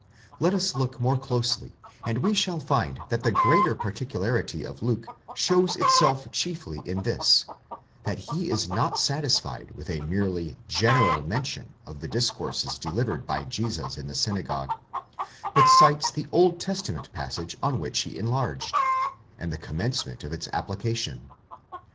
§ Let us look more closely, and we shall find that the greater particularity of Luke shows itself chiefly in this, that he is not satisfied with a merely general mention of the discourse delivered by Jesus in the synagogue, but cites the Old Testa ment passage on which he enlarged, and the commencement of its application.